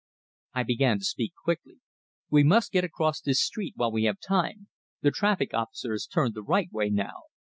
I began to speak quickly. "We must get across this street while we have time; the traffic officer has turned the right way now."